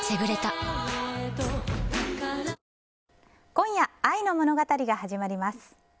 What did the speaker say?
今夜、愛の物語が始まります。